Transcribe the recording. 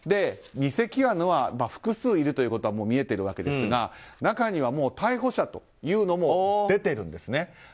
偽キアヌは複数いるということはもう見えているわけですが中には逮捕者というのも出ているんですね。